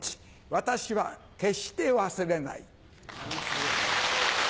私は決して忘れない。